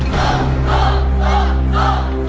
สู้ค่ะ